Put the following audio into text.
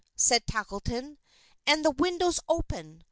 said Tackleton; "and the window's open.